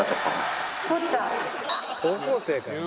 高校生かよ。